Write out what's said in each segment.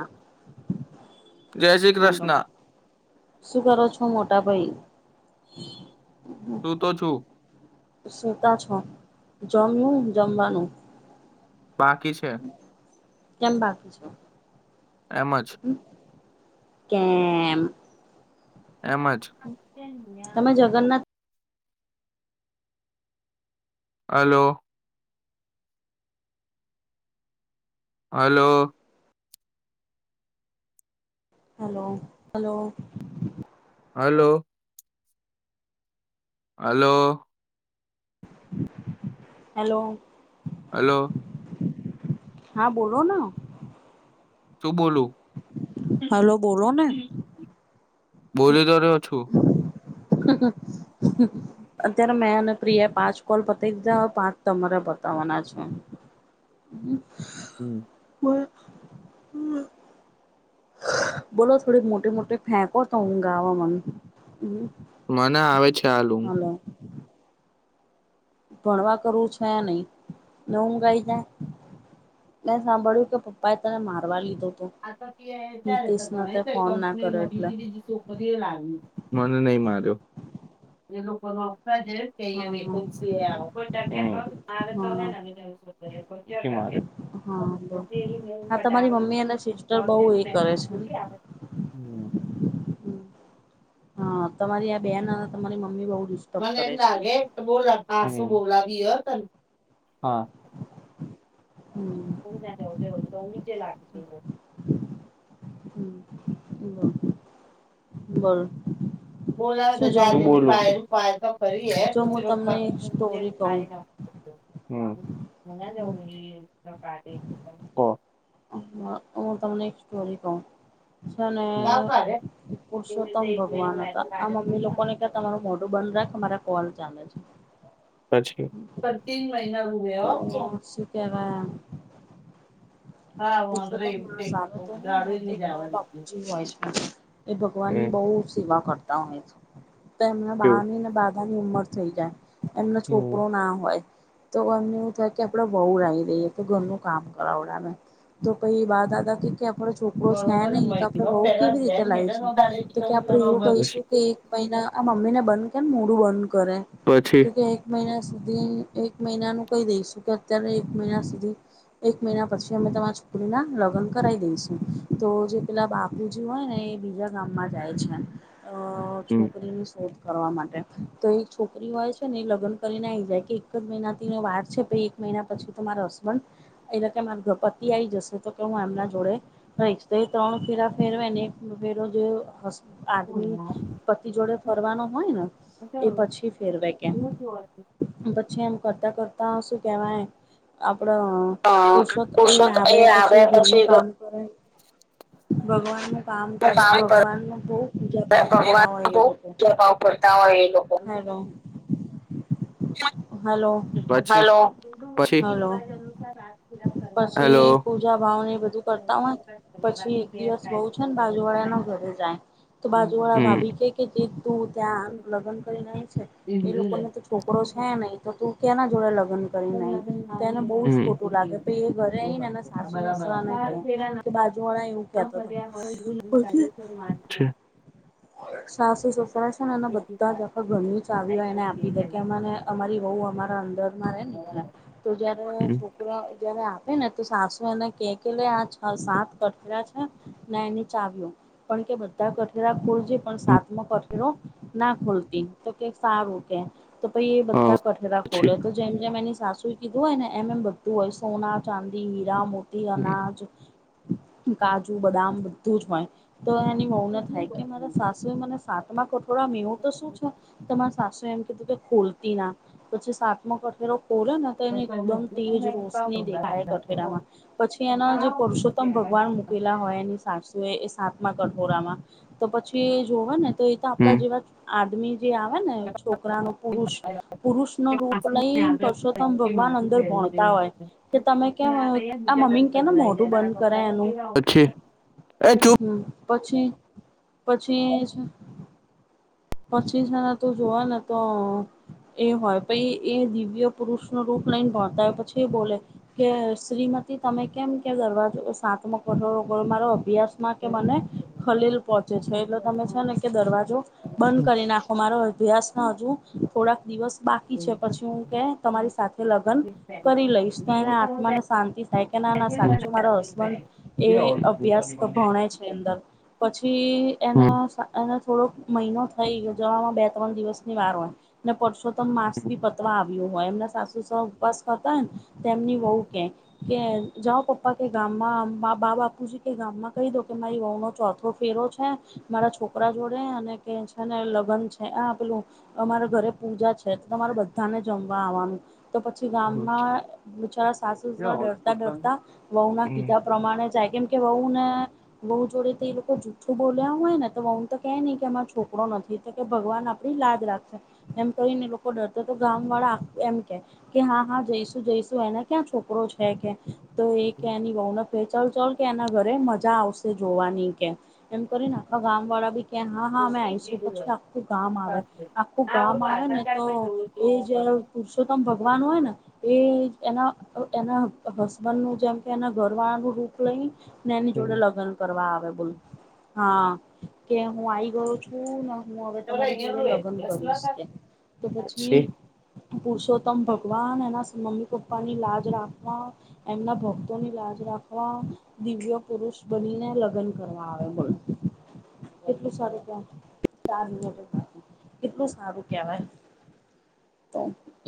અ. જય શ્રી હલો કૃષ્ણ શું કરો છો મોટા ભઈ. [inaudible] સૂતો તો છું. સુતા છો. જમવુ જમવાનું. બાકી છે. કેમ બાકી છો? એમ જ. કેમ? એમજ? તમે Jagannath hello. Hello. Hello hello. Hello. Hello. Hello. Hello. હા બોલો ન. શું બોલું. બોલો ને બોલી તો રયો છુ. [inaudible] અત્યારે મેં અને પ્રિયા પાંચ કોલ પતાઈ દીધા હવે પાંચ તમારે પતાવવાના. પાંચમો. હમ્મ. હમ્મ. બ હમ્મ. બોલો થોડીક મોટી મોટી ફેંકો તો ઊંઘ આવ મને. મને આવે છે. આલું હાલો. ભણવા કરવું છે નહી ને ઊગાઈ જાય. મે સાંભળ્યું કે પપ્પા એ તને મારવા લીધો? હતો હિતેશનો તે ફોન ના કર્યો એટલે [inaudible] માર્યો. હા [inaudible] હા [inaudible] હા બટ હા તમારી મમ્મી એ સિસ્ટર બહુ કરે છે ને [inaudible] હા તમારી આ બેન તમારી મમ્મી બઉ મને એમે બોલા પાસું બ લાગી હતોને હમ [unintelligible] [inaudible] બ બોલા તો જાય [inaudible] ફરી એ જો હું તમને એક સ્ટોરી કહું [unintelligible] હમ્મ ઓ. હું તમને એક સ્ટોરી કવ. છે, ને પુરુષોત્તમ ભગવાન હતા, આ મમ્મી લોકોને ક્યા તમારું મોઢું બંધ રાખ કે મારે કોલ ચાલે છે. પછી રૂમે તો હો શી કેવા હા વાંધો પુરસોતમ એમ તે માસા આવે છે ને દાડો એમાં તો ની એક બા જવાનું બાપુજી ને હોય છે. એ ભગવાન ની હમ બહુ સેવા કરતા હોય છે, તો એમના બા કેવું ની ને બા બધાની ઉંમર થઈ જાય, એમના હમ છોકરો ના હોય. તો એમને એવું થાય કે આપડે બહુ રાણી દઈએ તો ઘરનું કામ કરાવડાવે. તો કંઈ બા દાદા કી કેમ આપડો છોકરો છે બરોબર નઈ તો આપડે મહિનો વઉ પેલા કેવી રીતે બેન મહિના લાઇસુ, નો દાડે જ તો કે કરું આપણે નો એવું બરું. કહીશું કે એક મહિના આ મમ્મીને બન મોડું બંધ કરે પછી તો કે એક મહિના સુધી એક મહિનાનું કહી દઈશું, કે અત્યારે એક મહિના સુધી એક મહિના પછી અમે તમાર દિકરી ના લગ્ન કરાવી દઈશું, તો જે પેલા બાપુ જે હોય ને એ બીજા ગામમાં જાય છે. અ અ હમ છોકરીસ તો એક છોકરી હોય છે, ને એ લગન કરીને આઈ જાય કે એક જ મહિના થી વાર છે કે એક મહિના પછી તો માર હસબન્ડ એલે કે માંર પતિ આઈ જશે. તો કે હું એમના જોડે રહીશ, તો ત્રણ ફેરા ફેરો એને એક ફેરો જો હસ આદમી પતિ જોડે ફરવાનો હોય ને એ પછી ફેરવે કેમ પછી એમ કરતા કરતા શું કેવાય આપ આપડે અઅ પુરસો એ આવે પછી ઘરનું કામ કરે. ભગવાન નું કામ કરે, ભગવાન નું બઉ ભગવાન બહુ પ્રભાવ પડતા હોય એ લોકો હા પછી હલો પછી પછી હલો. પૂજા ભાવ એ બધું કરતા હોય પછી એક દિવસ વઉ છે, ને બાજુવાળા ના ઘરે જાય. તો બાજુ વાળા ભાભી કે કે તું ત્યાં લગન કરીને આઈ છે એ લોકો ને તો છોકરો છે, નઈ તો તું ક્યા ના જોડે લગ ગ્ન કરીને આઈ તો એને બહુ જ ખોટું લાગે પહી એ ઘરેને આઈ ને પાછું મુસલાને કે કે બાજુ વાળા એવું કેતો હતો. સાસુ પહેલા છે, ને અને બધા જ આખા ઘર ની ચાવીઓ એને આપી દે કે અમને અમારી બહુ અમારી અંદરમાં રેન. તો જયારે હમ. છોકરો જયારે આપે ને તું એને કે કે લે આ છ સાત કઠેરા છે, ને એને ચાવ્યું પણ કે બધા કઠ ખોલજે પણ સાતમો કઠેરો ના ખોલતી તો કે સારું કે. તો પઈ એ બધા કઠેરા પછી ખોલે તો જેમ જેમ એની સાસ સુ ઈ કીધું હોય ને એમ એમ બધું હોય સોના ચાંદી હીરા મોતી અનાજ કાજુ બદામ બધું જ હોય, તો એની વહુ ના થાય કે મારા સાસુ એ મને સા તેમા કઠોરામાં એવો તો શું છે, તે મારા સાસુ એમ તું કે ખોલતી ના પછી સાતમો કઠેરો ખોલ્યો ને તો એને એકદમ તેજ રોશની દેખાય કઠેરામાં. પછી એના જે પુરષોત્તમ ભગવાન મૂકેલા હોય એની સા એ સાત માં કઠોરામાં તો પછી જોવા ને તો એ તો આપણા જેવા આદમી જે આવે ને છોકરા નો પુરુષ પુરુષ નો રૂપ લઈ પરસોતમ ભગવાન અંદર હોય કે તમે કેમ, આ મમ્મીને કે ને મોટું બંધ કરે એનું એ ચૂપ હમ્મ, પછી પછી છે પછી છે ને તો જોવા ને તો એ હોય પહી એ દિવ્ય પુરુષ નો રૂપ લઈને ભણતાય પછી એ બોલે કે શ્રીમદ્ થી તમે કેમ કે કરવા છો સાતમો કઠોડો મારો અભ્યાસ. કે મને ખલીલ પહોંચે છે, એટલે તમે છે ને કે દરવાજો બંધ કરી નાખો મારો. અભ્યાસમાં હજુ થોડાક દિવસ. બાકી છે પછી હું કે તમારી સાથે લગ્ન કરી લઈશ તો એને આત્માને શાંતિ. થાય કે ના ના સાચું મારા હસબન્ડ એ અભ્યાસ ભણે છે, અંદર પછી એના સા એના થોડોક મહિનો થઈ યોજવામાં બે ત્રણ દિવસની વાર હોય ને પરસોત્તમ માસ બી પતવા આવે, હોય એમના સાસુ સ ઉપવાસ કરતા હોય ન તો એમની વહુ કે કે જાઓ પપ્પા કે ગામમાં માં બાપુજી છે કે ગામમાં કહી દો કે મા વઉ નો ચોથો ફેરો. મારા છોકરા જોડે અને કે છે ને લગ્ન છે આ પેલું અમારા ઘરે. પુજા છે તો તમારે બધાને જમવા આવવાનું. તો પછી ગામના બિચારા સાસુસર ક્યાં ડરતા હોસ્પિટલને ડરતા વહુ ના હમ કીધા પ્રમાણે, કેમ કે વહુ ને વહુ જોડે તો એ લોકો જુઠું બોલ્યા હોય ને તો વઉ ને તો કે ની કે અમા છોક આપ નથી તો કે ભગવાન આપડી લાજ રાખશે, એમ કરી ને લોકો ડરતા તો ગામ વાળા એમ કે. કે હા હા જઈશું જઈશું એના ક્યાં છોકરો છે કે તો એ કે એની વૌને. કે ચલ ચલ કે એના ઘરે મજા આવશે જોવાની કેમ એમ કરીને આખા ગામ વાળા બી કે હા હા અમે પછી આવીશું પછી આખું ગામ આવે આખું ગામ આવે ને તો એ જ પુરુષોત્તમ ભગવાન હોય ને એના એના, હસબન્ડ નું જેમ કે એના ઘર વાળા નું રૂખ લઈ ને એની જોડે લગ્ન કરવા આવે, હા, કે હું આઈ ગયો છું ને હું હવે તમારી જોડે લગ્ન કરીશ કે તો પછી, પુરુષોત્તમ ભગવાન એના મમ્મી પપ્પા ની લાજ રાખવા એમના ભક્તો ની લાજ રાખવા દિવ્ય પુરુષ બનીને લગ્ન કરવા આવે. એટલું સો રૂપિયા ચાર હજાર. એટલુ સારુ કહેવાય. તો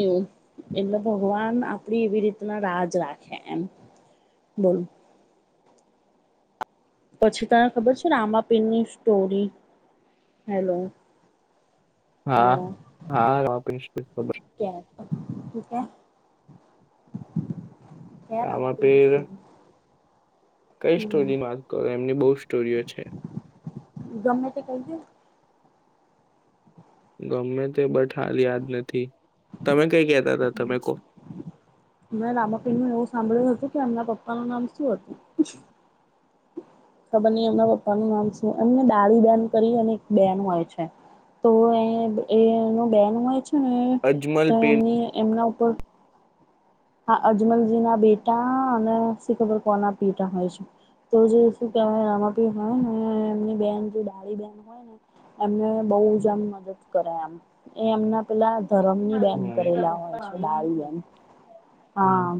એવું એટલે ભગવાન આપડી એવી રીતના લાજ રાખે. એ એમ બોલું. પછી તને ખબર છે ન રામાપીરની સ્ટોરી? હેલો. હા હલો હા રાપીર ની સ્ટોરી કે ઠીકે. કે આમાં રામાપીર પે ની સ્ટોરી. કઈ હમ સ્ટોરીમાં ત કરો એમની બહુ સ્ટોરીઓ છે. ગમે તે કઈ દે. ગમે તે બટ હાલ યાદ નથી તમે કઈ કેતા હતા તમે કો. મેં રામાપીર નું એવું સાંભળ્યું હતું કે એમના પપ્પાનું નામ શું હતું? ખબર નહીં એમના પપ્પાનું નામ શું એમને દાળી બેન કરી અને એક બેન હોય છે. તો એ એ એનું બેન હોય છે. અજમલ તો પેન એમની એમના ઉપર હા, અજમલજી ના બેટા અને શીખબર કોણના પેટા હોય છે. તો જે શું કહેવાય રામાપીર ને હે ને એમની બેન ડાળી બેન હોય ને, એમને બહુ જ આમ મદદ કરે એમ એ એમના, પેલા ધરમ ની બેન કરેલા હોય છે દાળી બેન હમ હા,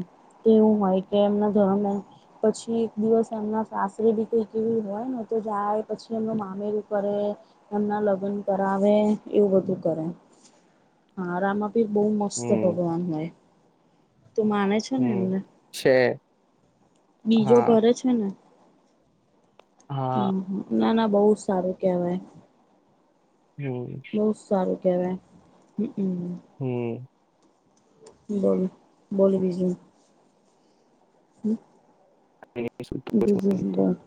એવું હોય કે એમના જવમને. પછી એક દિવસ એમના સાસરે બી કઈક એવી હોય ને તો જાય પછી એમનો મામેરું કરે. એમના લગન કરાવે એવું બધું કરે હા રામા પીર બહુ મસ્ત હમ ભગવાન હોય. તો માને છે ને હમ એમને છે બીજો હા ઘરે છે ન. હા હમ્મ ના ના બહુ સારું કેવાય. હમ્મ. કેવા હમ્મ. હમ્મ. બોલ બોલી બીજ હમ્મ. બઝનેસ દંધ.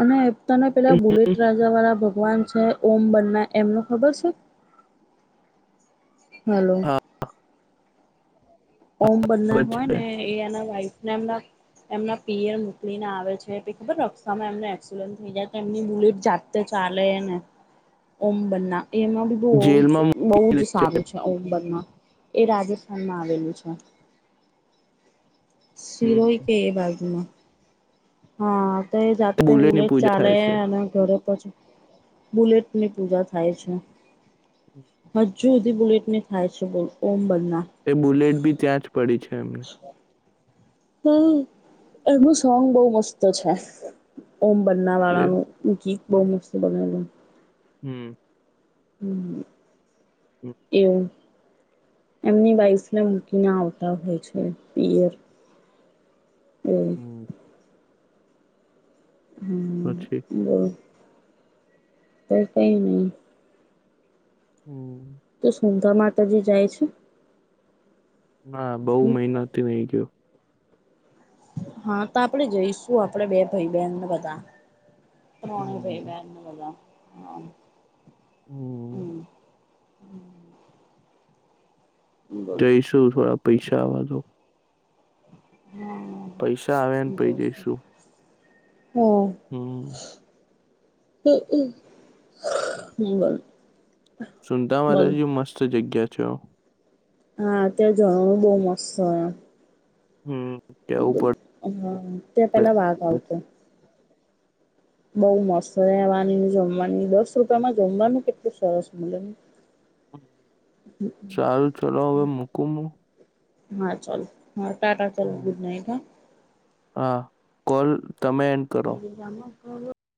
અને એતાને પેલા બુલેટ હમ, રાજા વાળા ભ ભગવાન છે ઓમ બન્ના એમનું ખબર છે. હલો. હા ઓમ બનનાર ખબર હોય છે ને એ એના વાઈફને એમના એમના પિ એર મોકલીને આવે છે પ ખબર રક્ષામાં એમને એક્સિડન્ટ થઈ જાય એમની બુલિટ જાતે. ચાલેને ઓબના. એમાં બી બહ જ જેલમાં બહુ મૂકી જ દે સારું છે અકબરમાં એ રાજસ્થાનમાં આવેલું છે. હમ શિરોહી કે એ બાદમાં. હા તો એ જાતે બુલેટની બુલેટ પૂજા ચાલે થાય છે અને ઘરે પછી બુલેટની પૂજા થાય છે. હજુ સુધી બુલેટ ને થાય છે બોલ ઓમ ભાઈ એ બુલેટ બી ત્યાં જ પડી છે એમને. હમ્મ એનું સોંગ બહ મસ્ત છે. ઓમ બનના એ વાળાનું ગીત બહ મસ્ત બનેલો. હમ્મ. હમ્મ એવું એમની વાઈસને મૂકીને આવતા હોય છે પિયર. [inaudible] હમ્મ. હમ્મ પછી બ તો કઈ નહી. હમ્મ. તો શુંધા માતાજી જાય છે. ના બહુ મહિનાથી ની ગયો. હા તો આપણેે જઈશું આપડે બે ભાઈ બહેનને બધા પ્રોણ પઈ બે હમ. ક હ હમ્મ. હમ. હમ્મ. જઈશું થોડા પૈસાવા આ દો. પૈસા આવેને પૈ જઈશું. હમ્મ. [inaudible] બોલ સુુંતાવાલાજી મસ્ત જગ્યા થયો. હા અ ત્યા્યારે જરવાનું બહુ મસ્ત હમ્મ. હ ત્યાં પેલા વાઘ પડે આવતો. બઉ મસ્ત રહેેવાની ને જમવાની દસ રૂપિયામાં જમવાનું કેટલું સરસ મે હ સારું ચલો હવે મકુમું. હા ચાલ હા ટાટા ચાલ ગુડ નાઈટ હા. હા કોલ તમે એન કરો. [inaudible]